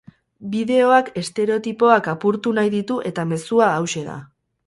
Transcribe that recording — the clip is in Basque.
Bideoak estereotipoak apurtu nahi ditu eta mezua hauxe da.